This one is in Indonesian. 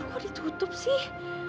kok ditutup sih